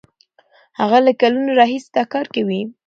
هغه له کلونو راهیسې دا کار کوي.